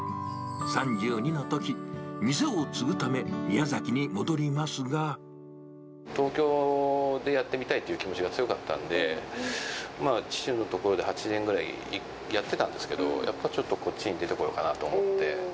３２のとき、店を継ぐため、東京でやってみたいっていう気持ちが強かったんで、まあ、父のところで８年ぐらいやってたんですけど、やっぱちょっとこっちに出てこようかなと思って。